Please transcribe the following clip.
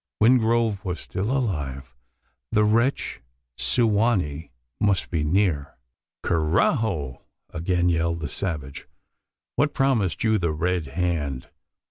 Wingrove was still alive: the wretch Su wa nee must be near? "Carajo!" again yelled the savage. "What promised you the Red Hand?